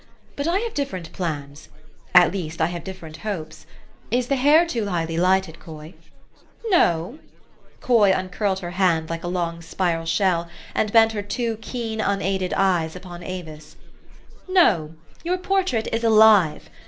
But I have different plans : at THE STOE.Y OF AVIS. 107 least I have different hopes. Is the hair too highly lighted, Coy?" "No." Coy uncurled her hand like a long spiral shell, and bent her two keen, unaided eyes upon Avis. "No: your portrait is alive.